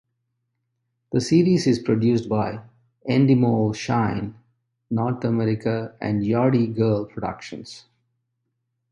The series is produced by Endemol Shine North America and Yardie Girl Productions.